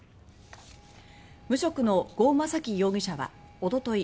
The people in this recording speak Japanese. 無職の呉昌樹容疑者はおととい